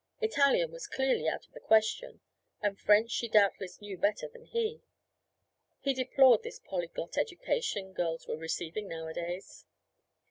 Italian was clearly out of the question, and French she doubtless knew better than he he deplored this polyglot education girls were receiving nowadays.